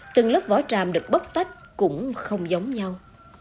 từng lớp vỏ tràm được bóc tách cũng không giống nhau